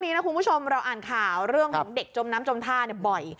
นี้นะคุณผู้ชมเราอ่านข่าวเรื่องของเด็กจมน้ำจมท่าบ่อย